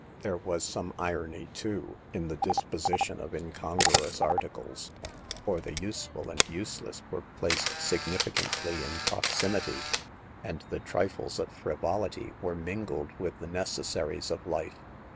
There was some irony, too, in the disposition of incongruous articles ; for the useful and use less were placed significantly in proximity, and the trifles of frivolity were mingled with the necessaries of life.